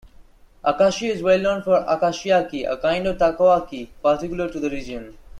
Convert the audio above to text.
Akashi is well known for "Akashiyaki", a kind of "takoyaki" particular to the region.